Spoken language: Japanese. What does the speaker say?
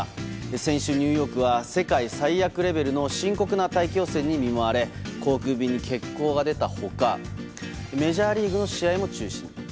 先週、ニューヨークは世界最悪レベルの深刻な大気汚染に見舞われ航空便に欠航が出た他メジャーリーグの試合も中止に。